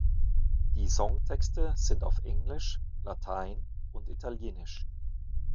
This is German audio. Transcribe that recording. Die Songtexte sind auf Englisch, Latein und Italienisch.